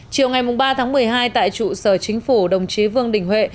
chiều ngày ba tháng một mươi hai tại trụ sở chính phủ đồng chí vương đình huệ